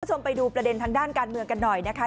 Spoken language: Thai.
คุณผู้ชมไปดูประเด็นทางด้านการเมืองกันหน่อยนะคะ